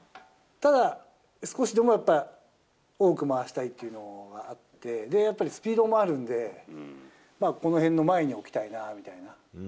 ただ、少しでもやっぱ、多く回したいっていうのはあって、やっぱりスピードもあるんで、このへんの前に置きたいなみたいな。